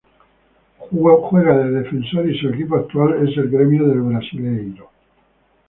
Juega de Defensor y su equipo actual es el Gremio del Brasileirao.